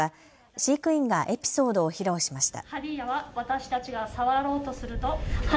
飼育員がエピソードを披露しました。